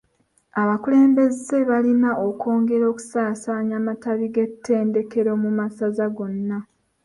Abakulembeze balina okwongera okusaasaanya amatabi g’ettendekero mu masaza gonna.